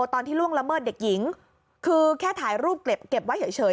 ล่วงละเมิดเด็กหญิงคือแค่ถ่ายรูปเก็บไว้เฉย